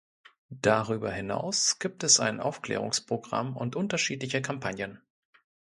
Darüber hinaus gibt es ein Aufklärungsprogramm und unterschiedliche Kampagnen.